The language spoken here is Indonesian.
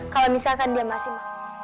kalau misalkan dia masih